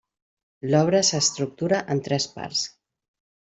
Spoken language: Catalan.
L'obra s'estructura en tres parts.